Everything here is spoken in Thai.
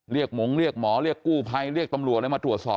หมงเรียกหมอเรียกกู้ภัยเรียกตำรวจอะไรมาตรวจสอบ